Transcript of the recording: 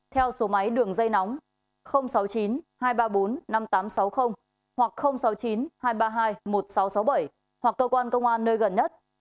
theo số máy đường dây nóng sáu mươi chín hai trăm ba mươi bốn năm nghìn tám trăm sáu mươi hoặc sáu mươi chín hai trăm ba mươi hai một nghìn sáu trăm sáu mươi bảy hoặc cơ quan công an nơi gần nhất